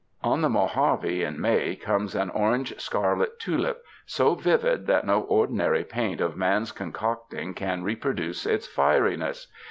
On the Mojave in May comes an orange scarlet tulip, so vivid that no ordinary paint of man's concocting can reproduce its fieri ness.